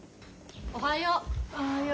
おはよう。